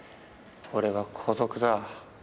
俺は孤独だ。